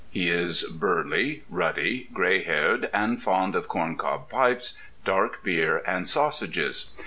He is burly, ruddy, gray haired, and fond of corncob pipes, dark beer, and sausages.